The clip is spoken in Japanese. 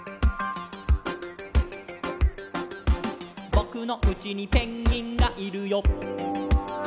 「ぼくのうちにペンギンがいるよ」